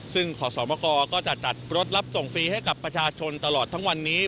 ซึ่งขอสมกรก็จะจัดรถรับส่งฟรีให้กับประชาชนตลอดทั้งวันนี้